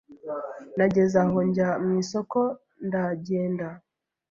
Nageze aho njya mu isoko ndagenda